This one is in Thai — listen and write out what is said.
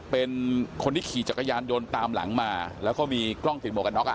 เป็นคนที่ขี่จักรยานยนต์ตามหลังมาแล้วก็มีกล้องติดหวกกันน็อกอ่ะ